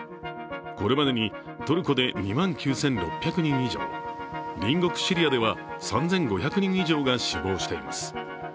これまでにトルコで２万９６００人以上隣国シリアでは３５００人以上が死亡しています。